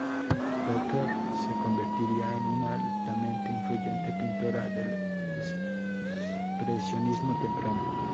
Becker se convertiría en una altamente influyente pintora del expresionismo temprano.